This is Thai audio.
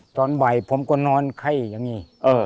ตอนบ่ายผมก็นอนไข้อย่างนี้